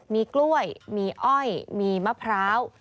มีกล้วยมีอ้อยมีมะพร้าว